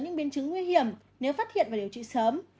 những biến chứng nguy hiểm nếu phát hiện và điều trị sớm